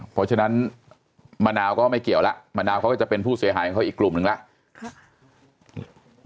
เพราะฉะนั้นมะนาวก็ไม่เกี่ยวล่ะมะนาวจะเป็นผู้เสียหายใจอีกกลุ่มนึงแล้ว